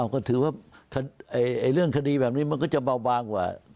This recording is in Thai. ก็ถือว่าเรื่องคดีแบบนี้มันก็จะเบาบางกว่า